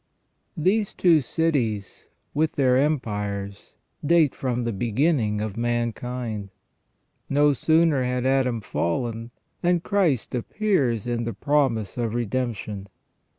351 These two cities, vdth their empires, date from the beginning of mankind. No sooner has Adam fallen than Christ appears in the promise of redemption.